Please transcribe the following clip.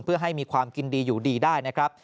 เพื่อให้มีความกินดีอยู่ดีได้นะครับ